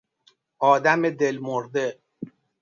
آدم دلمرده